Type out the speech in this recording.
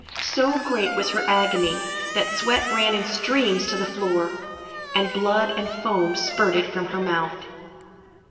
So great was her agony that sweat ran in streams to the floor, and blood and foam spurted from her mouth.